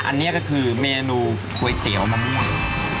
อันนี้ก็คือเมนูก๋วยเตี๋ยวมะม่วง